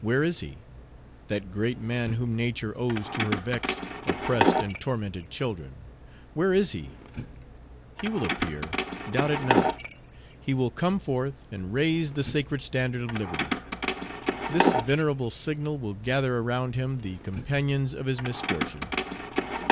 Where is he? that great man whom Nature owes to her vexed, oppressed, and tormented children. Where is he? He will appear, doubt it not; he will come forth, and raise the sacred standard of liberty. This venerable signal will gather around him the companions of his misfortune.